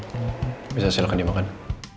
nggak sekarang punya pak randy